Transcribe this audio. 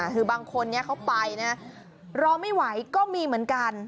คือบางคนเขาไปนะรอไม่ไหวก็มีเหมือนกัน